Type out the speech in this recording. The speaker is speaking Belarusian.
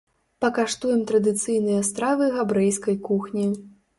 Пакаштуем традыцыйныя стравы габрэйскай кухні.